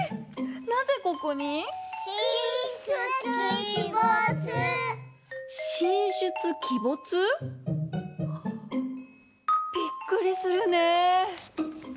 なぜここに？びっくりするね。